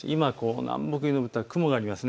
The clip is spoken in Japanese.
南北に延びた雲があります。